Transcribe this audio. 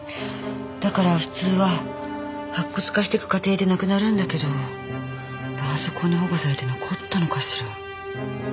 だから普通は白骨化してく過程でなくなるんだけど絆創膏に保護されて残ったのかしら？